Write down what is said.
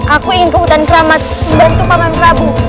aku ingin ke hutan keramat membantu paman prabu